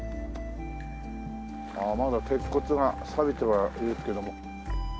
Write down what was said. まだ鉄骨がさびてはいるけども。